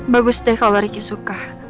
bagus deh kalo riki suka